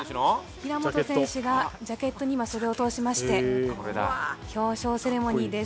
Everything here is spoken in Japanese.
平本選手がジャケットに今、袖を通しまして表彰セレモニーです。